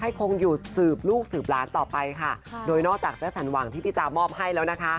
ให้คงอยู่สืบลูกสืบร้านต่อไปค่ะโดยนอกจากสร้างพระพรมที่พี่จ้ามอบให้แล้วนะคะ